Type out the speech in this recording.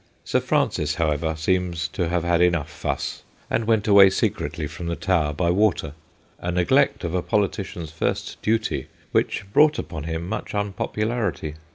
Sir Francis, however, seems to have had enough fuss, and went away secretly from the Tower by water, a neglect of a politician's first duty which brought upon him much unpopularity.